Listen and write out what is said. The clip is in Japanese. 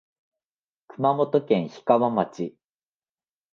熊本県氷川町